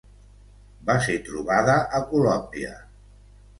Va ser trobada a Colòmbia.